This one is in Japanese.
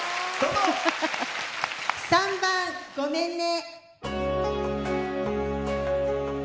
３番「ごめんね」。